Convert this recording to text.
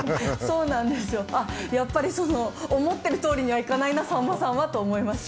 やっぱり思ってる通りにはいかないな、さんまさんはと思いました。